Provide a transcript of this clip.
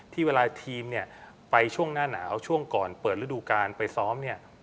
ที่เวลาทีมไปช่วงหน้าหนาวช่วงก่อนเปิดฤดูกาลไปซ้อม